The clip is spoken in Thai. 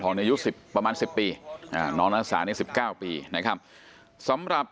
ทองในอายุ๑๐ประมาณ๑๐ปีน้องนักศาล๑๙ปีนะครับสำหรับ